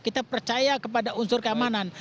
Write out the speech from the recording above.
kita percaya kepada unsur keamanan